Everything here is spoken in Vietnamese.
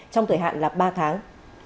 trong thời hạn là ba tháng